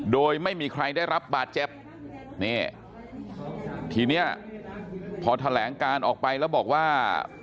โดยไม่มีใครได้รับบาดเจ็บนี่ทีเนี้ยพอแถลงการออกไปแล้วบอกว่า